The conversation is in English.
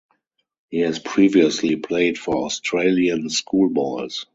He has previously played for Australian Schoolboys.